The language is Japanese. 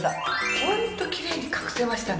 ホントキレイに隠せましたね。